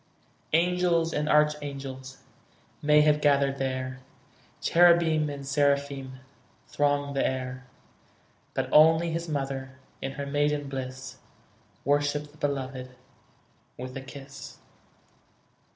Angels and archangels May have gathered there, Cherubim and seraphim Thronged the air; But only His mother, In her maiden bliss, Worshipped the Beloved With a kiss.